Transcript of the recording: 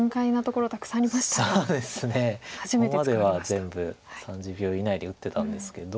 ここまでは全部３０秒以内で打ってたんですけど。